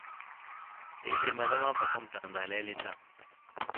Ezle maɗa ma abak gamẹnda tandzəha lele da.